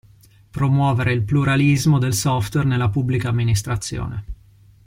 Promuovere il pluralismo del software nella Pubblica Amministrazione.